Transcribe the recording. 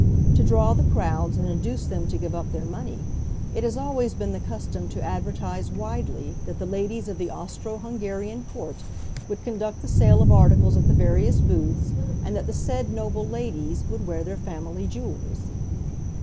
To draw the crowds and induce them to give up their money, it has always been the custom to advertise widely that the ladies of the Austro Hungarian court would conduct the sale of articles at the various booths and that the said noble ladies would wear their family jewels.